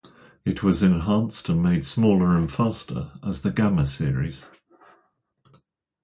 It was enhanced and made smaller and faster as the Gamma series.